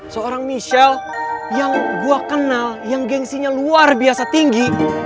seorang michelle yang gue kenal yang gengsinya luar biasa tinggi